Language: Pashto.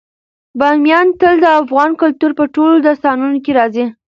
بامیان تل د افغان کلتور په ټولو داستانونو کې راځي.